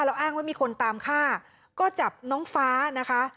แล้วอ้างว่ามีคนตามฆ่าก็จับน้องฟ้านะคะ